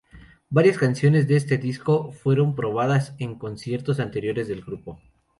Varias canciones de este disco fueron probadas en conciertos anteriores del grupo.